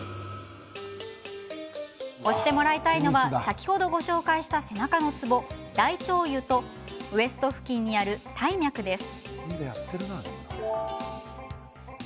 押してもらいたいのは先ほどご紹介した背中のツボ大腸兪とウエスト付近にある帯脈です。